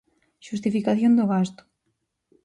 Xustificación do gasto.